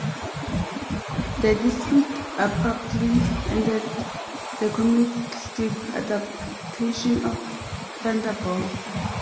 The dispute abruptly ended the comic strip adaptation of "Thunderball".